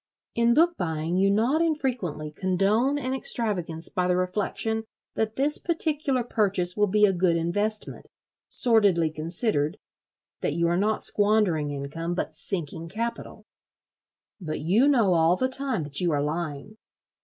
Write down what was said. In book buying you not infrequently condone an extravagance by the reflection that this particular purchase will be a good investment, sordidly considered: that you are not squandering income but sinking capital. But you know all the time that you are lying.